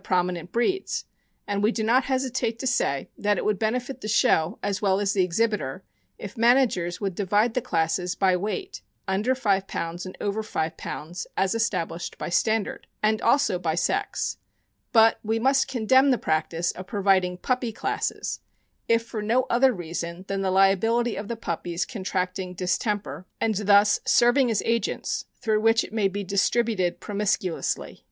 455 prominent breeds; and we do not hesitate to say that it would benefit the show, as well as the exhibitor, if man agers would divide the classes by weight (under five pounds and over five pounds, as established by standard), and also by sex; but we must condemn the practice of providing puppy classes, if for no other reason than the liability of the puppies contracting distemper, and thus serving as agents through which it may be distributed pro miscuously.